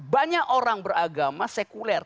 banyak orang beragama sekuler